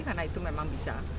karena itu memang bisa